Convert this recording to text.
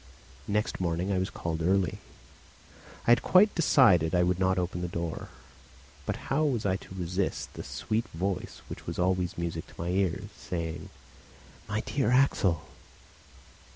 Next morning I was called early. I had quite decided I would not open the door. But how was I to resist the sweet voice which was always music to my ears, saying, "My dear Axel?"